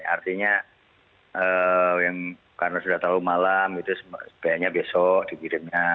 artinya karena sudah tahu malam sebaiknya besok dikirimnya